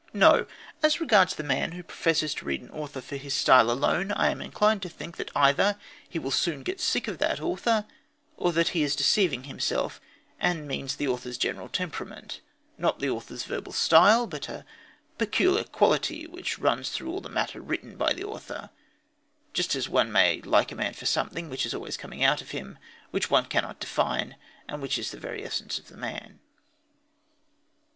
No! As regards the man who professes to read an author "for his style alone," I am inclined to think either that he will soon get sick of that author, or that he is deceiving himself and means the author's general temperament not the author's verbal style, but a peculiar quality which runs through all the matter written by the author. Just as one may like a man for something which is always coming out of him, which one cannot define, and which is of the very essence of the man.